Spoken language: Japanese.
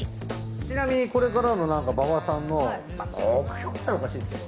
ちなみにこれからの馬場さんの目標っつったらおかしいですけど。